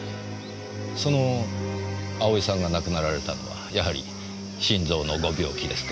その葵さんが亡くなられたのはやはり心臓のご病気ですか？